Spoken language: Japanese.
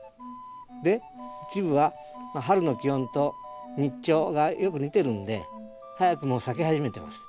で一部は春の気温と日長がよく似てるんで早くも咲き始めてます。